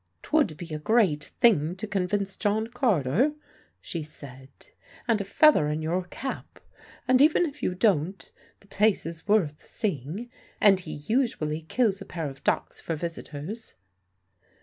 "'Twould be a great thing to convince John Carter," she said, "and a feather in your cap. And even if you don't, the place is worth seeing, and he usually kills a pair of ducks for visitors."